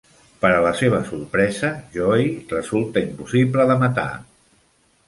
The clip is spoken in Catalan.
Per a la seva sorpresa, Joey resulta impossible de matar.